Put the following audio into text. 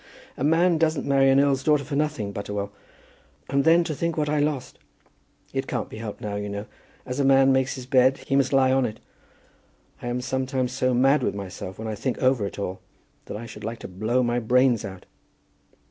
"A man doesn't marry an earl's daughter for nothing, Butterwell. And then to think what I lost! It can't be helped now, you know. As a man makes his bed he must lie on it. I am sometimes so mad with myself when I think over it all, that I should like to blow my brains out."